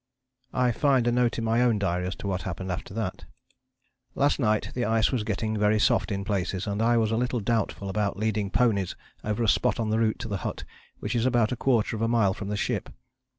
" I find a note in my own diary as to what happened after that: "Last night the ice was getting very soft in places, and I was a little doubtful about leading ponies over a spot on the route to the hut which is about a quarter of a mile from the ship.